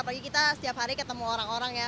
apalagi kita setiap hari ketemu orang orang ya